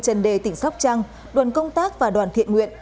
trần đề tỉnh sóc trăng đoàn công tác và đoàn thiện nguyện